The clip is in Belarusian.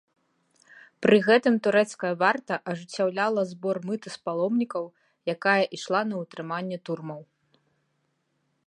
Пры гэтым турэцкая варта ажыццяўляла збор мыты з паломнікаў, якая ішла на ўтрыманне турмаў.